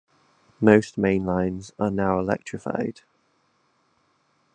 Most main lines are now electrified.